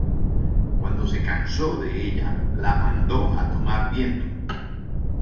Cuando se cansó de ella la mandó a tomar viento